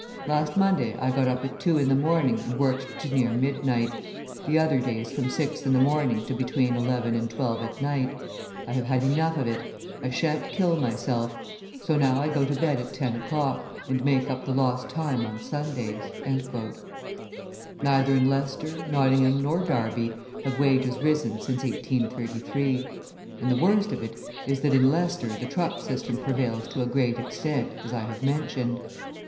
Last Monday I got up at two in the morning and worked to near midnight; the other days from six in the morning to between eleven and twelve at night. I have had enough of it; I sha'n't kill myself; so now I go to bed at ten o'clock, and make up the lost time on Sundays." Neither in Leicester, Nottingham, nor Derby have wages risen since 1833; and the worst of it is that in Leicester the truck system prevails to a great extent, as I have mentioned.